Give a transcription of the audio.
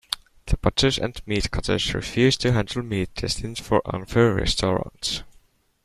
The butchers and meat cutters refused to handle meat destined for unfair restaurants.